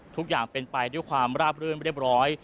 ทุกอย่างเป็นไปด้วยความราบรื่นเรียบร้อย